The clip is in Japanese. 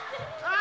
あ！